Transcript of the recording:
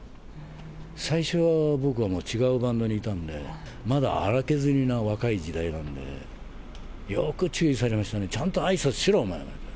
最初、僕はもう違うバンドにいたんで、まだ粗削りな若い時代なんでね、よく注意されましたね、ちゃんとあいさつしろ、お前なんて。